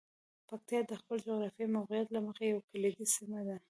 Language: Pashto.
پکتیا د خپل جغرافیايي موقعیت له مخې یوه کلیدي سیمه ده.